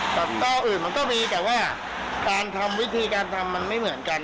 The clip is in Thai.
เก้าอื่นมันก็มีแต่ว่าการทำวิธีการทำมันไม่เหมือนกัน